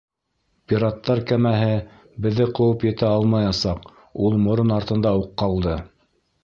Пираттар кәмәһе беҙҙе ҡыуып етә алмаясаҡ, ул морон артында уҡ ҡалды.